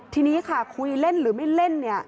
ทีนี้ค่ะคุยเล่นหรือไม่เล่นเนี่ย